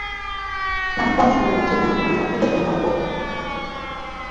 প্রাণপণ সংগ্রামের জন্য আমরা কৃতসঙ্কল্প।